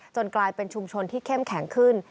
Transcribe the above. กลายเป็นชุมชนที่เข้มแข็งขึ้น